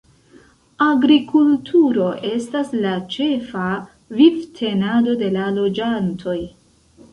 Agrikulturo estas la ĉefa vivtenado de la loĝantoj.